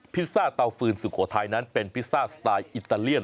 พิซซ่าเตาฟืนสุโขทัยนั้นเป็นพิซซ่าสไตล์อิตาเลียน